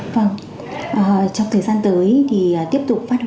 vâng trong thời gian tới thì tiếp tục phát huy